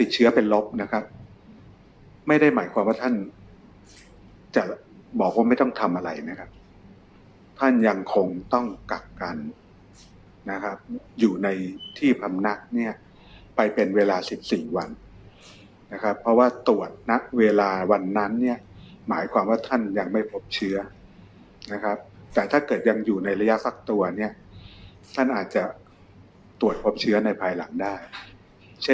เชื้อเป็นลบนะครับไม่ได้หมายความว่าท่านจะบอกว่าไม่ต้องทำอะไรนะครับท่านยังคงต้องกักกันนะครับอยู่ในที่พำนักเนี่ยไปเป็นเวลาสิบสี่วันนะครับเพราะว่าตรวจณเวลาวันนั้นเนี่ยหมายความว่าท่านยังไม่พบเชื้อนะครับแต่ถ้าเกิดยังอยู่ในระยะสักตัวเนี่ยท่านอาจจะตรวจพบเชื้อในภายหลังได้เช